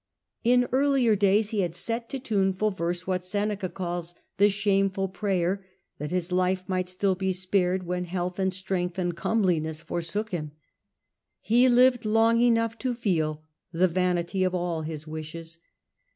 In earlier days he had set to tuneful verse what Seneca calls the shameful prayer, that his life might still be spared when health and strength and comeliness forsook him. He lived long enough to feel the vanity of all his wishes.